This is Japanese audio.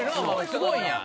すごいやん。